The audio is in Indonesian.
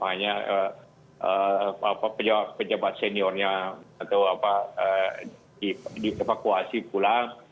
hanya pejabat seniornya atau apa di evakuasi pulang